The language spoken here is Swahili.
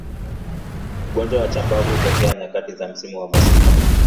Ugonjwa wa chambavu hutokea nyakati za misimu ya masika